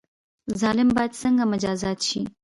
ظالم باید څنګه مجازات شي؟